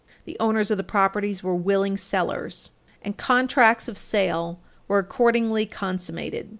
The owners of the properties were willing sellers, and contracts of sale were accordingly consummated.